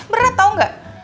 berat tau gak